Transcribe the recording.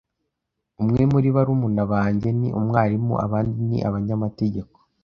Umwe muri barumuna banjye ni umwarimu abandi ni abanyamategeko.